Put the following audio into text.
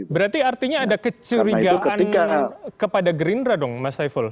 berarti artinya ada kecurigaan kepada gerindra dong mas saiful